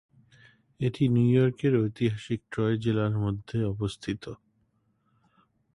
এটি নিউ ইয়র্কের ঐতিহাসিক ট্রয় জেলার মধ্যে অবস্থিত।